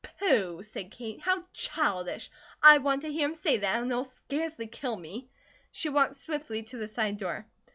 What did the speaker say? "Pooh!" said Kate. "How childish! I want to hear him say that, and he'll scarcely kill me." She walked swiftly to the side door.